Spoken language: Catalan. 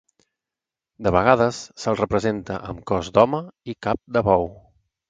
De vegades se'l representa amb cos d'home i cap de bou.